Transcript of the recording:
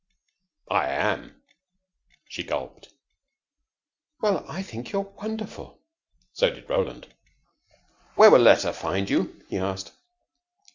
"I am." She gulped. "Well, I think you're wonderful." So did Roland. "Where will a letter find you?" he asked.